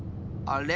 あれ？